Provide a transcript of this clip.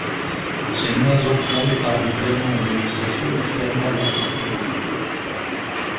Ses mains enflammées par les diamants et les saphirs fermèrent le petit livre.